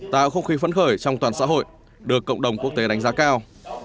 tạo không khí phấn khởi trong toàn xã hội được cộng đồng quốc tế đánh giá cao